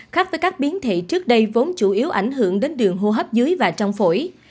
khác với các biến thị trước đây vốn chủ yếu ảnh hưởng đến đường hô hấp dưới và trong phổi